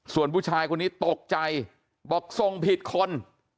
ส่วนผู้ชายคนนี้ตกใจบอกส่งผิดคน